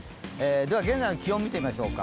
現在の気温見てみましょうか。